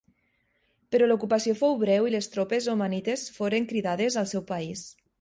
Però l'ocupació fou breu i les tropes omanites foren cridades al seu país.